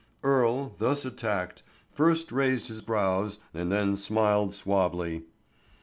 Earle, thus attacked, first raised his brows and then smiled suavely.